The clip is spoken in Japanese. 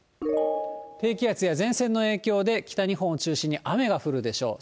低気圧や前線の影響で、北日本を中心に雨が降るでしょう。